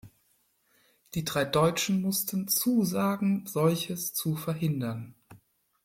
Die drei Deutschen mussten zusagen, solches zu verhindern.